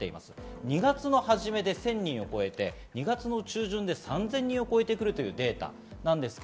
２月の初めで１０００人を超えて２月中旬で３０００人を超えてくるというデータです。